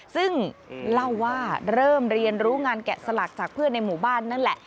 ซึ่งเล่าว่าเริ่มเรียนรู้งานแกะสลักจากเพื่อนในหมู่บ้านนั่นแหละ